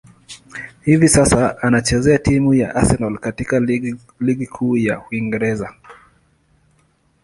Hivi sasa, anachezea timu ya Arsenal katika ligi kuu ya Uingereza.